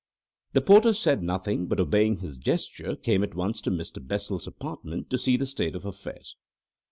The porter said nothing, but, obeying his gestures, came at once to Mr. Bessel's apartment to see the state of affairs.